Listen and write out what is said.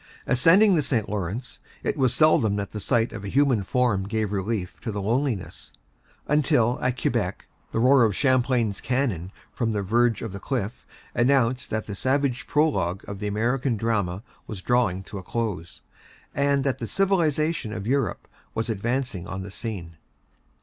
Ascending the St. Lawrence, it was seldom that the sight of a human form gave relief to the loneliness, until, at Quebec, the roar of Champlain's cannon from the verge of the cliff announced that the savage prologue of the American drama was drawing to a close, and that the civilization of Europe was advancing on the scene.